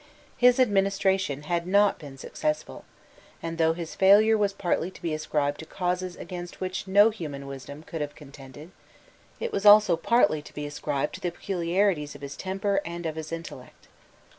His administration had not been successful; and, though his failure was partly to be ascribed to causes against which no human wisdom could have contended, it was also partly to be ascribed to the peculiarities of his temper and of his intellect.